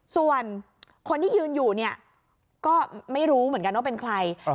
ส่วนคนที่ยืนอยู่เนี่ยก็ไม่รู้เหมือนกันว่าเป็นใคร